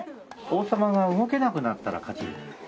王様が動けなくなったら勝ちです。